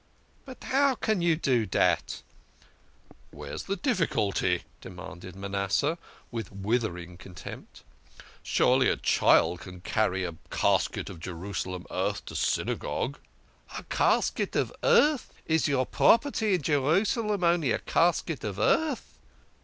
" But how can you do dat ?" "Where is the difficulty?" demanded Manasseh with withering contempt. " Surely a child could carry a casket of Jerusalem earth to Synagogue !"" A casket of earth ! Is your property in Jerusalem only a casket of earth?"